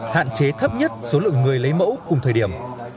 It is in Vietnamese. hạn chế thấp nhất số lượng người lấy mẫu cùng thời điểm